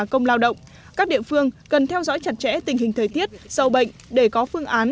công lao động các địa phương cần theo dõi chặt chẽ tình hình thời tiết sâu bệnh để có phương án